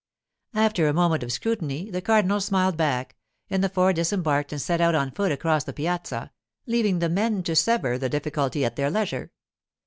After a moment of scrutiny the cardinal smiled back, and the four disembarked and set out on foot across the piazza, leaving the men to sever the difficulty at their leisure.